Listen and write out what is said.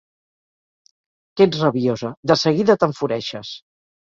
Que ets rabiosa: de seguida t'enfureixes!